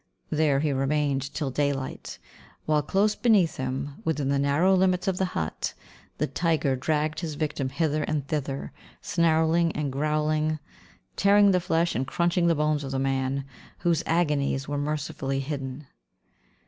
There he remained till daylight, while, close beneath him, within the narrow limits of the hut, the tiger dragged his victim hither and thither, snarling and growling, tearing the flesh and crunching the bones of the man, whose agonies were mercifully hidden.